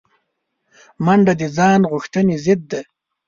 منډه د ځان غوښتنې ضد ده